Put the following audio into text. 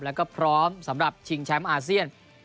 แล้วก็พร้อมสำหรับชิงแชมป์อาเซียน